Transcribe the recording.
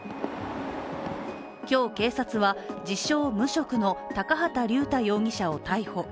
今日、警察は、自称・無職の高畑竜太容疑者を逮捕。